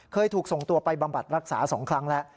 เคยถูกส่งตัวไปบำบัดรักษา๒ครั้งแล้ว